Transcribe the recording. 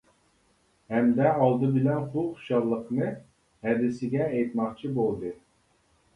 ھەمدە ئالدى بىلەن بۇ خۇشاللىقنى ھەدىسىگە ئېيتماقچى بولدى.